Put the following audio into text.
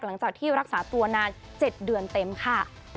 หลังจากที่รักษาตัวนาน๗เดือนเต็มค่ะ